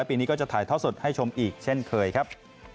ปีนี้ก็จะถ่ายท่อสดให้ชมอีกเช่นเคยครับ